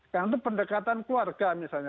karena itu pendekatan keluarga misalnya